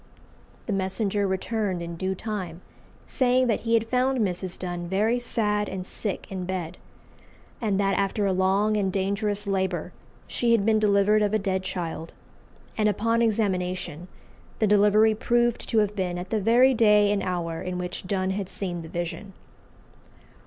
The messenger returned in due time, saying that he had found Mrs. Donne very sad and sick in bed, and that after a long and dangerous labour she had been delivered of a dead child; and upon examination, the delivery proved to have been at the very day and hour in which Donne had seen the vision.